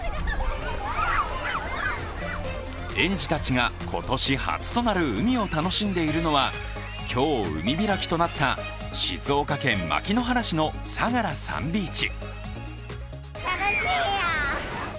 園児たちが今年初となる海を楽しんでいるのは、今日海開きとなった静岡県牧之原市のさがらサンビーチ。